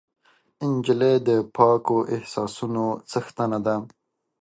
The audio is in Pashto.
نجلۍ د پاکو احساسونو څښتنه ده.